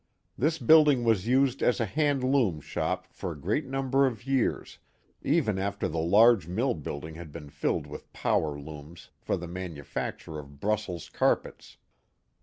This building was used as a hand loom shop for a great number of years, even after the large mill build ings had been filied with power looms for the manufacture of Brussels carpets.